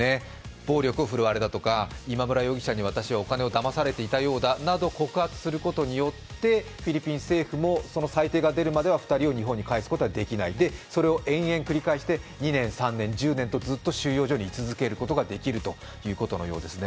暴力を振るわれたとか今村容疑者に私はお金をだまされていたようだと告発することによって、フィリピン政府もその裁定が出るまでは日本に送り返すことができないそれを延々繰り返して、２年、３年、１０年とずっと収容所に居続けることができるようなんですね。